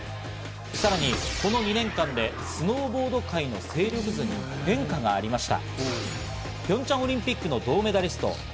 さらにこの２年間でスノーボード界の勢力図に変化がありました。